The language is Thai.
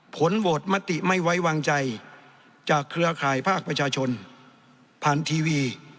ผลโหวตมติไม่ไว้วางใจจากเครือข่ายภาคประชาชนผ่านทีวี